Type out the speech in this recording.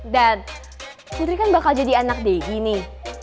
dad putri kan bakal jadi anak deddy nih